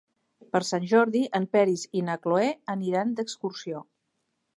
Per Sant Jordi en Peris i na Cloè aniran d'excursió.